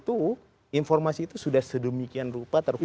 tidak tahu informasi itu sudah sedemikian rupa terhubung